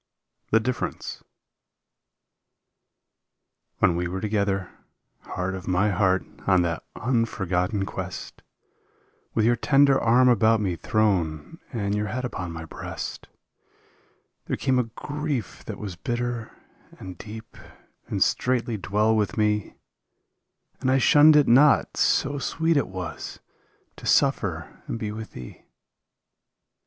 146 THE DIFFERENCE When we were together, heart of my heart, on that un forgotten quest, With your tender arm about me thrown and your head upon my breast, There came a grief that was bitter and deep and straitly dwell with me, And I shunned it not, so sweet it was to suffer and be with thee.